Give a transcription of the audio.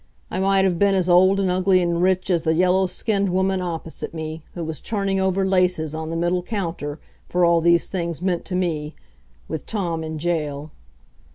I might have been as old and ugly and rich as the yellow skinned woman opposite me, who was turning over laces on the middle counter, for all these things meant to me with Tom in jail.